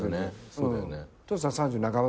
そうだね。